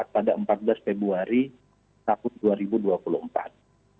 pada empat belas februari tahun dua ribu dua puluh empat